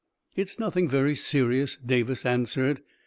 " It is nothing very serious," Davis answered.